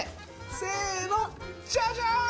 せーのジャジャーン！